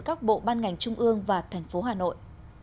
các bộ ban ngành trung ương và thành phố hà nội